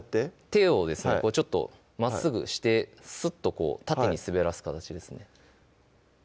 手をですねちょっとまっすぐしてすっと縦に滑らす形ですね